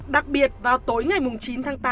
đặc biệt vào tối ngày chín tháng tám